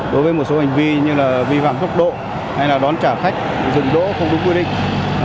đối với một số hành vi như là vi phạm tốc độ hay là đón trả khách dừng đỗ không đúng quy định